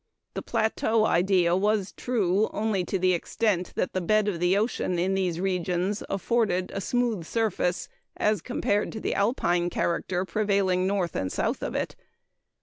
The "plateau" idea was only true to the extent that the bed of the ocean in these regions afforded a smooth surface as compared with the Alpine character prevailing north and south of it.